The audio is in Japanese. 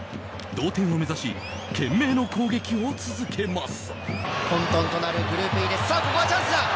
同点を目指し懸命の攻撃を続けます。